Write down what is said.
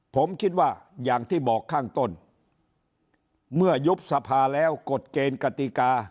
ผมคิดว่าอย่างที่บอกข้างต้นเมื่อยุบสภาแล้วกฎเกณฑ์กติกา